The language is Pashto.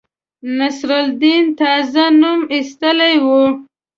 نصرالدین تازه نوم ایستلی وو.